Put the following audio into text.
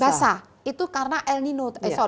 basah itu karena el nino eh sorry